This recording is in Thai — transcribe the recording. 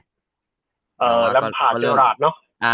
อ่าลำผาเจอหลาดเนอะ